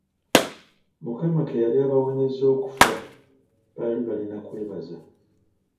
Mukama ke yali abawonyeza okufa, baali balina kwebaza.